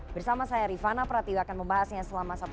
bersama saya rifana pratib akan membahasnya selama satu lima jam